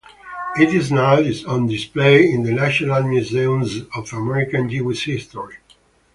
It is now on display in the National Museum of American Jewish History.